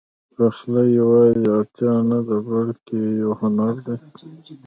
پخلی یواځې اړتیا نه ده، بلکې یو هنر دی.